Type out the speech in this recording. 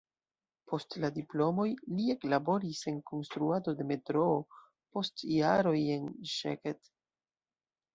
Post la diplomoj li eklaboris en konstruado de metroo, post jaroj en Szeged.